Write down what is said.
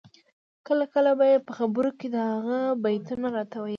کله کله به یې په خبرو کي د هغه بیتونه راته ویل